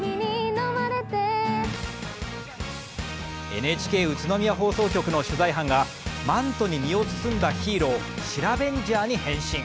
ＮＨＫ宇都宮放送局の取材班がマントに身を包んだヒーローシラベンジャーに変身。